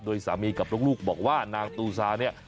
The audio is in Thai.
โดยสามีกับลูกบอกว่านางตูซาเนี่ย